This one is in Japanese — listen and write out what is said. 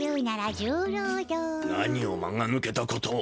何を間がぬけたことを。